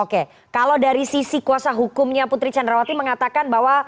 oke kalau dari sisi kuasa hukumnya putri candrawati mengatakan bahwa